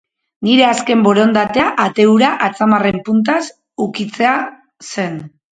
Nire azken borondatea ate hura atzamarren puntaz ukitzean zen.